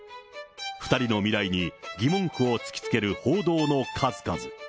２人の未来に疑問符を突きつける報道の数々。